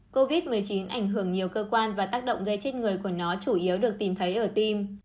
covid một mươi chín ảnh hưởng nhiều cơ quan và tác động gây chết người của nó chủ yếu được tìm thấy ở tim